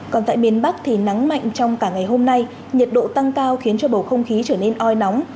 còn tại miền bắc thì nắng mạnh trong cả ngày hôm nay nhiệt độ tăng cao khiến cho bầu không khí trở nên oi nóng